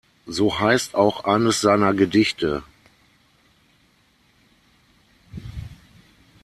So heißt auch eines seiner Gedichte.